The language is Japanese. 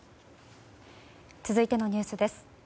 続いてのニュースです。